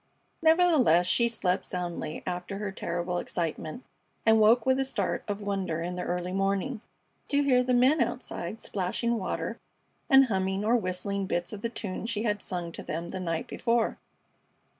Nevertheless, she slept soundly after her terrible excitement, and woke with a start of wonder in the early morning, to hear the men outside splashing water and humming or whistling bits of the tunes she had sung to them the night before.